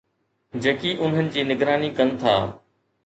جيڪي انهن جي نگراني ڪن ٿا